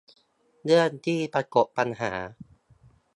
เรื่องที่ประสบปัญหา